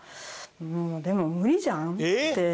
「もうでも無理じゃん」って。